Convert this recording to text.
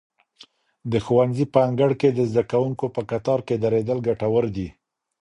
د ښوونځي په انګړ کې د زده کوونکو په کتار کې درېدل ګټور دي.